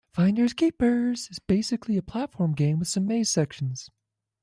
"Finders Keepers" is basically a platform game with some maze sections.